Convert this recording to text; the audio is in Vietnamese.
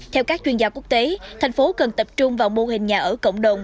theo các chuyên gia quốc tế thành phố cần tập trung vào mô hình nhà ở cộng đồng